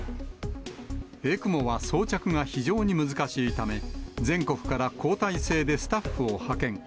ＥＣＭＯは装着が非常に難しいため、全国から交代制でスタッフを派遣。